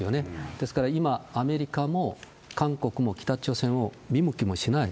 ですから、今、アメリカも韓国も北朝鮮を見向きもしない。